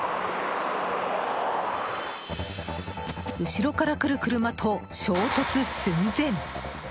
後ろから来る車と衝突寸前！